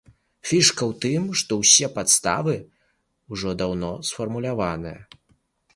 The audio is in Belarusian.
Фішка ў тым, што ўсе падставы ўжо даўно сфармуляваныя.